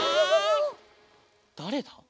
だれだ？